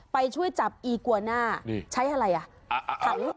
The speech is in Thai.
ไปช่วยจับอีกวาน่าใช้อะไรอ่ะ